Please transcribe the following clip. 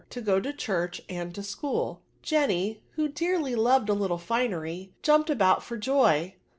Verbs* 7S %o go to churchy and to schooL Jenny, whe dearly loved a little finery, jumped about for joy.